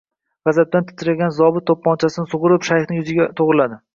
G`azabdan titragan zobit to`pponchasini sug`urib olib, shayxning yuziga to`g`riladi